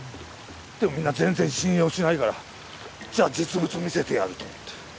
でもみんな全然信用しないからじゃあ実物見せてやると思って。